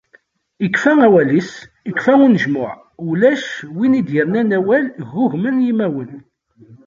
Ikfa awal-is, ikfa unejmuɛ, ulac win d-yernan awal, ggugmen yimawen.